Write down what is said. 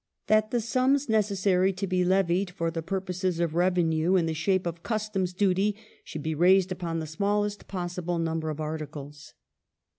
That the sums necessary to be levied for the purposes of revenue in the shape of customs duty should be raised upon the smallest possible number of articles."